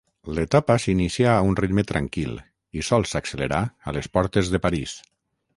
L'etapa s'inicià a un ritme tranquil i sols s'accelerà a les portes de París.